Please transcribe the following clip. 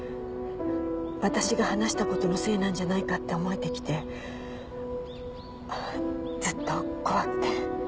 私が話したことのせいなんじゃないかって思えてきてずっと怖くて。